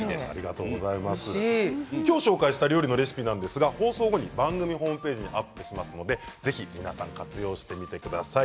今日、紹介した料理のレシピは放送後に番組ホームページにアップしますので活用してみてください。